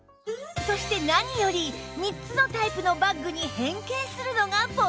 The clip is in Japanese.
そして何より３つのタイプのバッグに変形するのがポイント